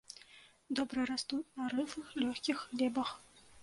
Добра растуць на рыхлых лёгкіх глебах.